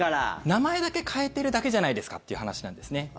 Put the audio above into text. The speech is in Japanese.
名前だけ変えてるだけじゃないですかっていう話なんですね。